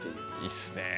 いいっすね。